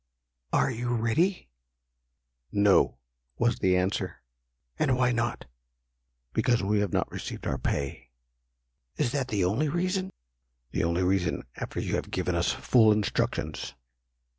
"Are you ready?" "No!" was the answer. "And why not?" "Because we have not received our pay." "Is that the only reason?" "The only reason after you have given us full instructions."